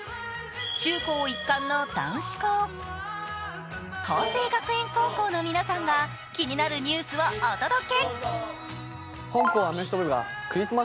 中高一貫の男子校、佼成学園高校の皆さんが気になるニュースをお届け。